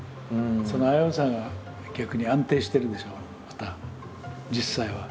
その危うさが逆に安定してるんですよまた実際は。